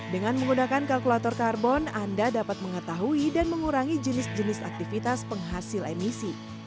dengan menggunakan kalkulator karbon anda dapat mengetahui dan mengurangi jenis jenis aktivitas penghasil emisi